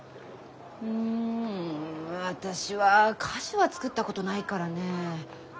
うん私は菓子は作ったことないからねえ。